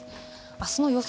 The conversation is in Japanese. あすの予想